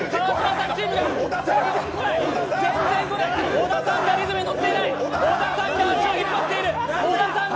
小田さんがリズムに乗っていない小田さんが足を引っ張っている！